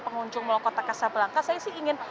pengunjung mall kota kasabelangka saya sih ingin